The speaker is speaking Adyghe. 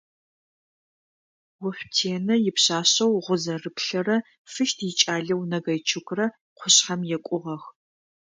Ошъутенэ ипшъашъэу Гъузэрыплъэрэ Фыщт икӏалэу Нагайчукрэ къушъхьэм екӏугъэх.